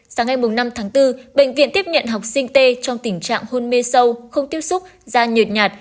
sáng ngày năm tháng bốn bệnh viện tiếp nhận học sinh t trong tình trạng hôn mê sâu không tiếp xúc da nhột nhạt